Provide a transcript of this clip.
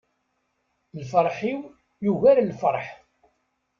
Lferḥ-iw yugar lefraḥ.